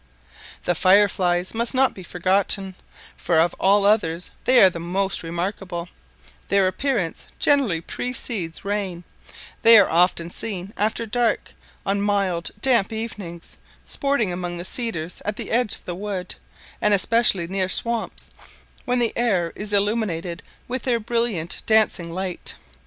The fire flies must not be forgotten, for of all others they are the most remarkable; their appearance generally precedes rain; they are often seen after dark, on mild damp evenings, sporting among the cedars at the edge of the wood, and especially near swamps, when the air is illuminated with their brilliant dancing light.